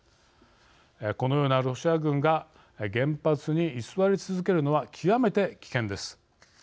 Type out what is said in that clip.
このようなロシア軍が原発に居座り続けるのは極めて危険です。